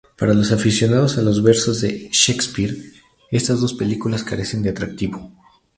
Para los aficionados a los versos de Shakespeare, estas dos películas carecen de atractivo.